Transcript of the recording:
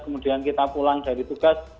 kemudian kita pulang dari tugas